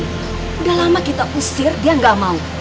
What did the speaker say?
udah lama kita usir dia gak mau